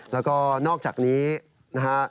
แล้วก็นอกจากนี้นะฮะ